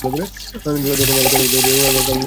যখন সে আমার দিকে তাকাত, রক্ত আমার হিম হয়ে আসত আতঙ্কে।